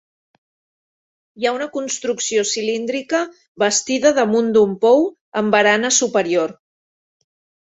Hi ha una construcció cilíndrica bastida damunt d'un pou, amb barana superior.